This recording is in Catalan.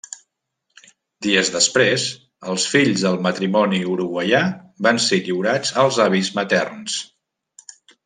Dies després, els fills del matrimoni uruguaià van ser lliurats als avis materns.